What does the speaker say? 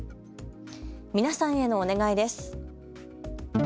皆さんへのお願いです。